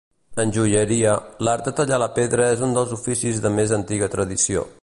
En joieria, l'art de tallar la pedra és un dels oficis de més antiga tradició.